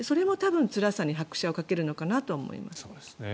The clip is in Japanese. それもつらさに拍車をかけるのかなと思います。